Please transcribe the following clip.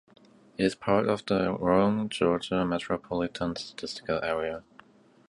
It is part of the Rome, Georgia Metropolitan Statistical Area.